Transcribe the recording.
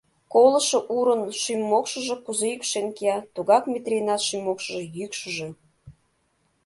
Колышо урын шӱм-мокшыжо кузе йӱкшен кия, тугак Метрийынат шӱм-мокшыжо йӱкшыжӧ!